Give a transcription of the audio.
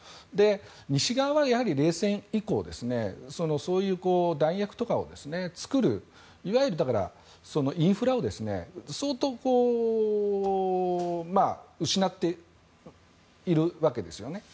西側は冷戦以降そういう弾薬とかを作るいわゆるインフラを相当、失っているわけです。